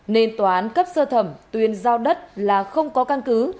nên tòa án cấp sơ thẩm tuyên giao đất là không có căn cứ